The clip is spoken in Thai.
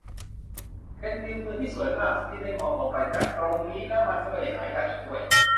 เป็นวิวเมืองที่สวยมากที่ได้มองลงไปจากตรงนี้ และมันก็ไม่ได้หายากอีกด้วย